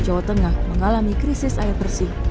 jawa tengah mengalami krisis air bersih